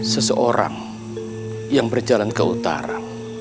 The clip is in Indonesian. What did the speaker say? seseorang yang berjalan ke utara